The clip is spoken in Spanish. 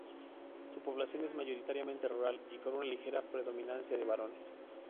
Su población es mayoritariamente rural, y con una ligera predominancia de varones.